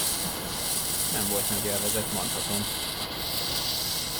Nem volt nagy élvezet, mondhatom!